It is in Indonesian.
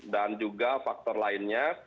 dan juga faktor lainnya